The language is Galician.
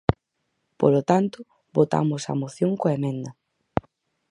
Polo tanto, votamos a moción coa emenda.